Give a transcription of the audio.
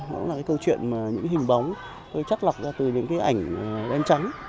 nó là câu chuyện những hình bóng tôi chắt lọc ra từ những ảnh đen trắng